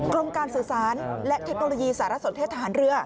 กรมการสื่อสารและเทคโนโลยีสารสนเทศทหารเรือ